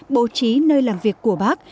bộ trí nơi làm việc của bác